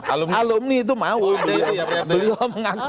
alumni alumni itu mau beliau mengaku